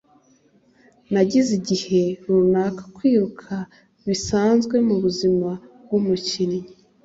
Nagize igihe runaka kwiruka bisanzwe mubuzima bwumukinnyi